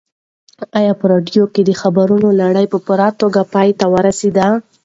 ایا په راډیو کې د خبرونو لړۍ په پوره توګه پای ته ورسېده؟